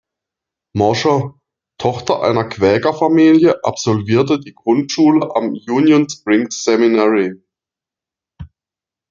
Mosher, Tochter einer Quäkerfamilie, absolvierte die Grundschule am "Union Springs Seminary".